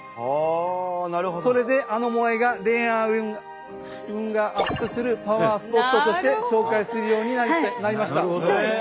それであのモアイが恋愛運がアップするパワースポットとして紹介するようになりました。